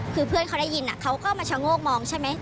คือเพื่อนเขาได้ยินเขาก็มาชะโงกมองใช่ไหม